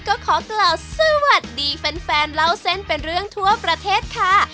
ก็ขอกล่าวสวัสดีแฟนเล่าเส้นเป็นเรื่องทั่วประเทศค่ะ